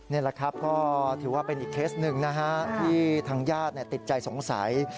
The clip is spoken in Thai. นี่แหละครับก็ถือว่าเป็นอีกเคสหนึ่งนะฮะที่ทางญาติติดใจสงสัย